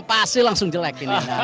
pasti langsung jelek